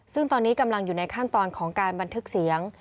ซึ่งตอนนี้กำลังอยู่ในขั้นตอนของการบันทึกเสียง